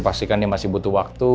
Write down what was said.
pastikan dia masih butuh waktu